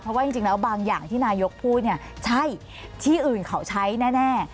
เพราะว่าจริงแล้วบางอย่างที่นายกพูดเนี่ยใช่ที่อื่นเขาใช้แน่